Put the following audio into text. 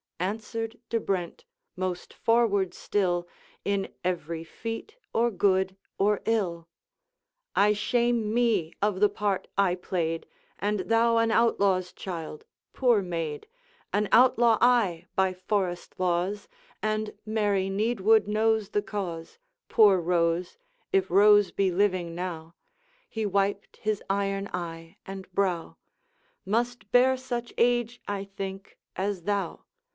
Answered De Brent, most forward still In every feat or good or ill: 'I shame me of the part I played; And thou an outlaw's child, poor maid! An outlaw I by forest laws, And merry Needwood knows the cause. Poor Rose, if Rose be living now,' He wiped his iron eye and brow, 'Must bear such age, I think, as thou.